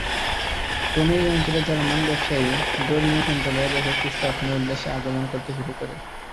ক্রমে এই অঞ্চলে জার্মান ব্যবসায়ী, ধর্মীয় সম্প্রদায় বসতি স্থাপনের উদ্দেশ্যে আগমন করতে শুরু করে।